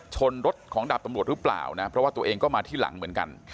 ชนรถของดาบตำรวจหรือเปล่านะเพราะว่าตัวเองก็มาที่หลังเหมือนกัน